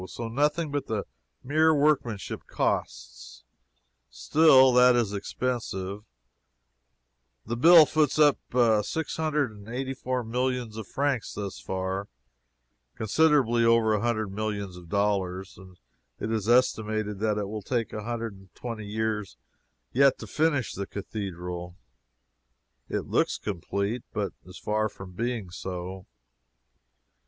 So nothing but the mere workmanship costs; still that is expensive the bill foots up six hundred and eighty four millions of francs thus far (considerably over a hundred millions of dollars,) and it is estimated that it will take a hundred and twenty years yet to finish the cathedral. It looks complete, but is far from being so.